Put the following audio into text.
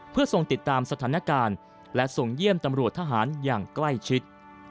เพื่อทรงติดตามสถานการณ์และส่งเยี่ยมตำรวจทหารอย่างใกล้ชิด